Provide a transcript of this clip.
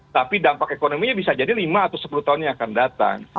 tapi dampak ekonominya bisa jadi lima atau sepuluh tahun yang akan datang